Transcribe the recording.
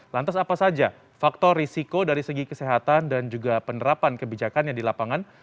lantas apa saja faktor risiko dari segi kesehatan dan juga penerapan kebijakannya di lapangan